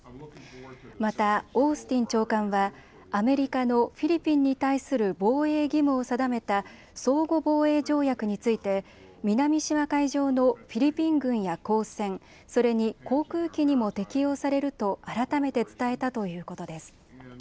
またオースティン長官はアメリカのフィリピンに対する防衛義務を定めた相互防衛条約について南シナ海上のフィリピン軍や公船、それに航空機にも適用されると改めて伝えたということです。